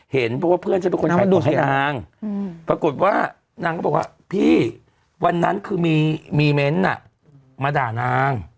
เห็นเพราะว่าเพื่อนฉันเป็นคนขายตัวให้นางปรากฏว่านางก็บอกว่าพี่วันนั้นคือมีเมนต์มาด่านาง